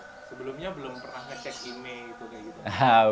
sebelumnya belum pernah ngecek email gitu